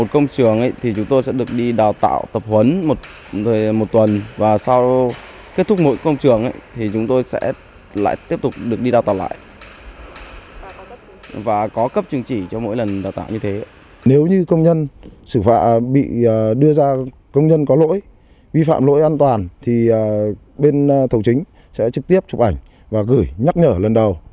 công nhân sẽ trực tiếp chụp ảnh và gửi nhắc nhở lần đầu